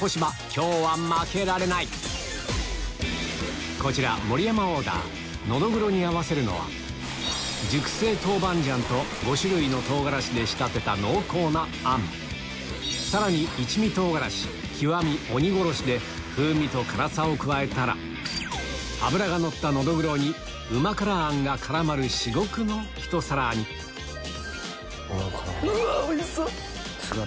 今日は負けられないこちら盛山オーダーノドグロに合わせるのは熟成豆板醤と５種類の唐辛子で仕立てた濃厚なあんさらに風味と辛さを加えたら脂がのったノドグロにうま辛あんが絡まる至極のひと皿にうわっおいしそう！